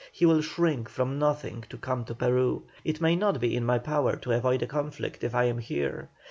He will shrink from nothing to come to Peru; it may not be in my power to avoid a conflict if I am here.